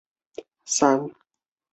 故有说法认为宋太祖早就忌讳韩通。